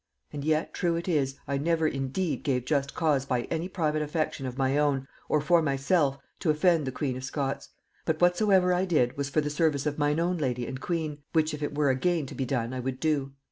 And yet, true it is, I never indeed gave just cause by any private affection of my own, or for myself, to offend the queen of Scots; but whatsoever I did was for the service of mine own lady and queen, which if it were yet again to be done I would do.